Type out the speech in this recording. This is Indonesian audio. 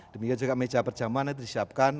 demikian juga meja perjaman itu disiapkan